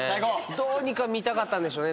どうにか見たかったんでしょうね。